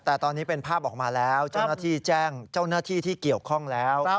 แต่ตอนนี้เป็นภาพออกมาแล้วเจ้าหน้าที่แจ้งเจ้าหน้าที่ที่เกี่ยวข้องแล้ว